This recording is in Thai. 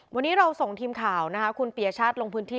วันนี้เราส่งทีมข่าวนะคะคุณปียชาติลงพื้นที่